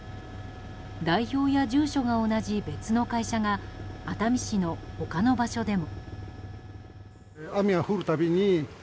代表や住所が同じ別の会社が熱海市の他の場所でも。